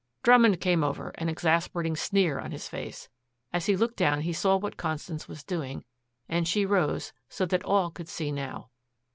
Drummond came over, an exasperating sneer on his face. As he looked down he saw what Constance was doing, and she rose, so that all could see now.